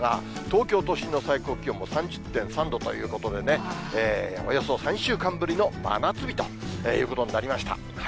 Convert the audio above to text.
東京都心の最高気温も３０．３度ということでね、およそ３週間ぶりの真夏日ということになりました。